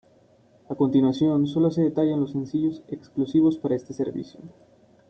A continuación solo se detallan los sencillos exclusivos para este servicio.